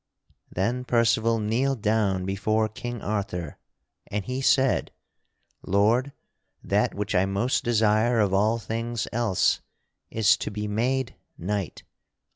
Then Percival kneeled down before King Arthur, and he said: "Lord, that which I most desire of all things else is to be made knight.